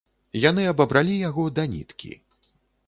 Яны абабралі яго да ніткі.